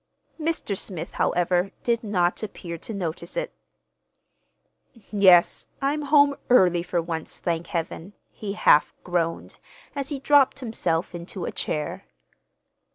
Mr. Smith, however, did not appear to notice it. "Yes, I'm home early for once, thank Heaven!" he half groaned, as he dropped himself into a chair.